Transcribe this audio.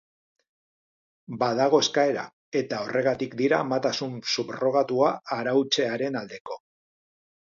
Badago eskaera, eta horregatik dira amatasun subrogatua arautzearen aldeko.